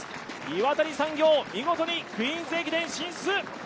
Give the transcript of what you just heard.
岩谷産業、見事にクイーンズ駅伝進出！